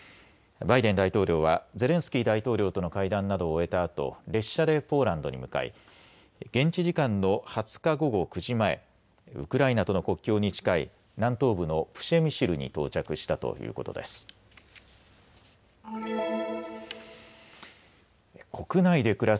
バイデン大統領はゼレンスキー大統領との会談などを終えたあと、列車でポーランドに向かい現地時間の２０日午後９時前、ウクライナとの国境に近い南東部のプシェミシルに到着したということです。